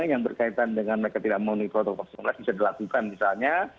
yang berkaitan dengan mereka tidak mau melakukan protokol covid sembilan belas bisa dilakukan misalnya